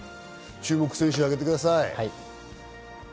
注目選手を挙げてくだ